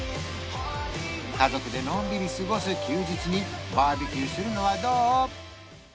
家族でのんびり過ごす休日にバーベキューするのはどう？